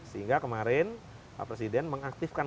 sehingga kemarin pak presiden mengaktifkan